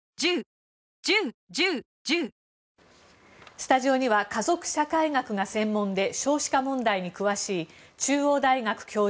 スタジオには家族社会学が専門で少子化問題に詳しい中央大学教授